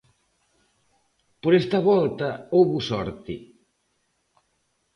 Por esta volta, houbo sorte.